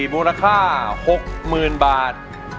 มูลค่าหกหมื่นบาท